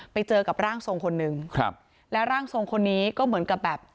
ไปเจอกับร่างทรงคนหนึ่งครับและร่างทรงคนนี้ก็เหมือนกับแบบ